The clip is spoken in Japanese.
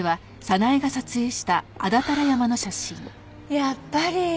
やっぱり。